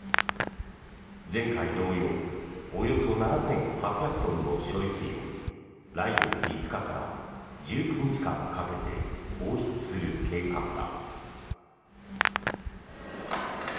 前回同様およそ７８００トンの処理水を来月５日から１９日間かけて放出する計画だ。